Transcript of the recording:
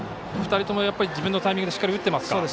２人とも自分のタイミングでしっかり打ってますか。